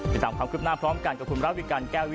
ติดตามความคืบหน้าพร้อมกันกับคุณระวิการแก้ววิท